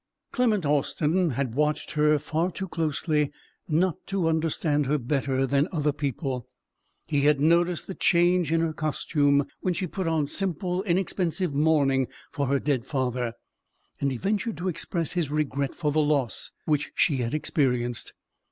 Clement Austin had watched her far too closely not to understand her better than other people. He had noticed the change in her costume, when she put on simple inexpensive mourning for her dead father; and he ventured to express his regret for the loss which she had experienced.